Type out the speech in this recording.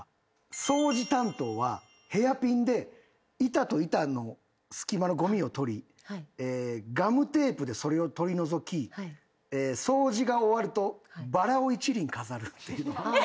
掃除担当はヘアピンで板と板の隙間のごみを取りガムテープでそれを取り除き掃除が終わるとバラを一輪飾る。